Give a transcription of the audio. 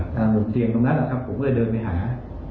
อ๋อค่ะอ่าลุงเตียงตรงนั้นอะครับผมก็เดินไปหา